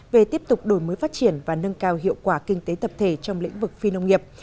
về tiếp tục đổi mới phát triển và nâng cao hiệu quả kinh tế tập thể trong lĩnh vực phi nông nghiệp